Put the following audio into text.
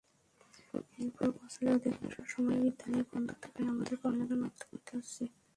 এরপর বছরের অধিকাংশ সময় বিদ্যালয় বন্ধ থাকায় আমাদের পড়ালেখার মারাত্মক ক্ষতি হচ্ছে।